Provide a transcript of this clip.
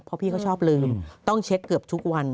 เพราะพี่เขาชอบลืมต้องเช็คเกือบทุกวัน